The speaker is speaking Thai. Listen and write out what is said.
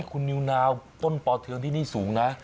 คุณนิวนาวต้นปอเทืองที่นี่สูงนะ